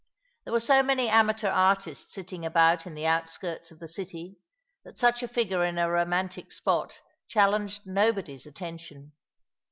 There were so many amateur artists sitting about in the outskirts of the city, that such a figure in a romantic spot challenged nobody's attention.